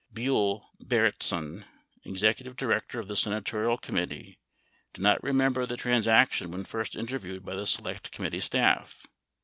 Buehl Berentson, execu tive director of the senatorial committee, did not remember the trans action when first interviewed by the Select Committee staff.